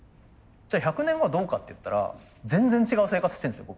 じゃあ１００年後はどうかっていったら全然違う生活してるんですよ